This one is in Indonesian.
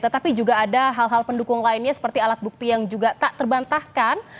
tetapi juga ada hal hal pendukung lainnya seperti alat bukti yang juga tak terbantahkan